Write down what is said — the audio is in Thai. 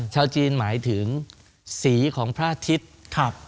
ชาวจีนหมายถึงสีของพระอาทิตย์